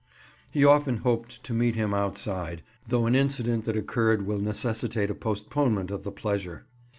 He often hoped to meet him outside, though an incident that occurred will necessitate a postponement of the pleasure.